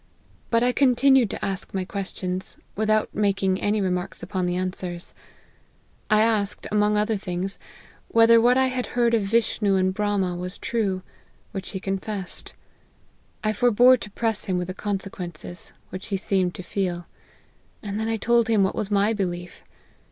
But I continued to ask my questions, without making any remarks upon the answers. I asked, among other things, whether what I had heard of Vishnu and Brahma was true ; which he confessed. I forbore to press him with the consequences, which he seemed to feel ; and then I told him what was my belief.